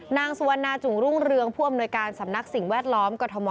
นางสุวรรณาจุ่งรุ่งเรืองผู้อำนวยการสำนักสิ่งแวดล้อมกรทม